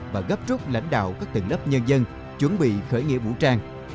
và gấp trúc lãnh đạo các tầng lớp nhân dân chuẩn bị khởi nghĩa vũ trang